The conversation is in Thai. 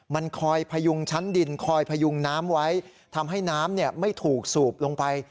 มันคอยพยุงชั้นดินคอยพยุงน้ำไว้ทำให้น้ำไม่ถูกสูบลงไป